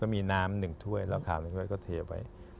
มีน้ำหนึ่งถ้วยเราคาวหนึ่งก็เทไว้